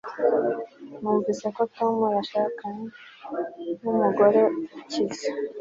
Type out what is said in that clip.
numvise ko tom yashakanye numugore ukize